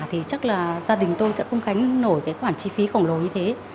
thì chắc là gia đình tôi sẽ không khánh nổi cái khoản chi phí khổng lồ như thế